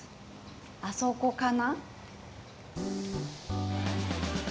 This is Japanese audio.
あそこかな？